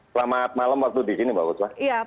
selamat malam waktu di sini mbak buswa